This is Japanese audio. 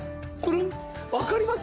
わかります？